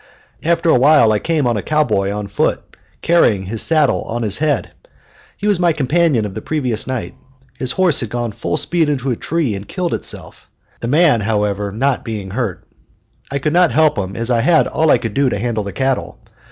After a while I came on a cowboy on foot carrying his saddle on his head. He was my companion of the previous night. His horse had gone full speed into a tree and killed itself, the man, however, not being hurt. I could not help him, as I had all I could do to handle the cattle.